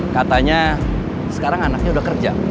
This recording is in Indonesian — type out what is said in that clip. katanya sekarang anaknya udah kerja